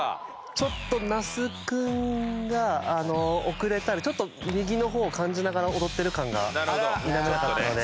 ちょっと那須君が遅れたりちょっと右の方を感じながら踊ってる感が否めなかったので。